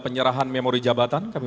baik terima kasih